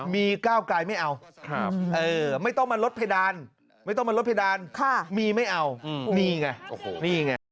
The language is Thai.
มีเก้าไกรไม่เอาไม่ต้องมาลดเพดานมีไม่เอามีไง